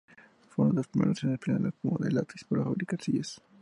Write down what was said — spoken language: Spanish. Fue uno de los primeros en emplear la espuma de látex para fabricar sillas.